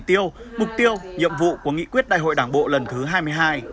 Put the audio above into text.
tiêu mục tiêu nhiệm vụ của nghị quyết đại hội đảng bộ lần thứ hai mươi hai đồng chí trương thị mai